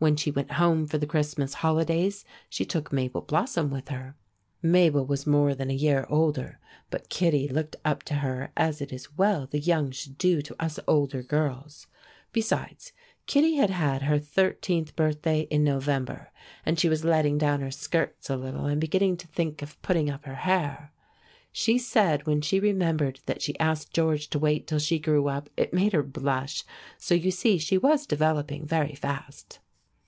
When she went home for the Christmas holidays she took Mabel Blossom with her. Mabel was more than a year older, but Kittie looked up to her, as it is well the young should do to us older girls. Besides, Kittie had had her thirteenth birthday in November, and she was letting down her skirts a little and beginning to think of putting up her hair. She said when she remembered that she asked George to wait till she grew up it made her blush, so you see she was developing very fast.